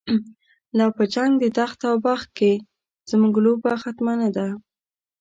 لا په جنگ د تخت او بخت کی، زمونږ لوبه ختمه نده